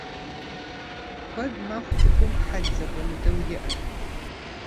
Куэд мэхъу цӀыхум хьэл зэхуэмыдэу иӀэр.